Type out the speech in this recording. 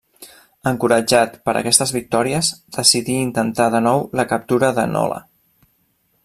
Encoratjat per aquestes victòries, decidí intentar de nou la captura de Nola.